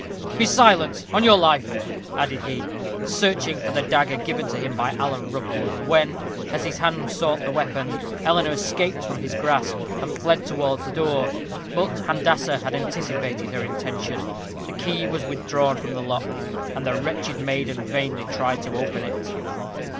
"Be silent, on your life," added he, searching for the dagger given to him by Alan Rookwood, when, as his hand sought the weapon, Eleanor escaped from his grasp, and fled towards the door. But Handassah had anticipated her intention. The key was withdrawn from the lock, and the wretched maiden vainly tried to open it.